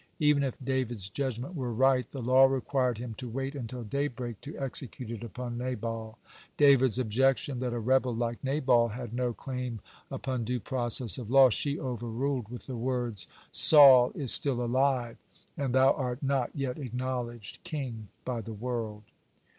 Even if David's judgment were right, the law required him to wait until daybreak to execute it upon Nabal. David's objection, that a rebel like Nabal had no claim upon due process of law, she overruled with the words: "Saul is still alive, and thou art not yet acknowledged king by the world."